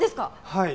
はい。